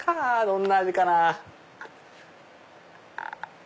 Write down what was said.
どんな味かなぁ。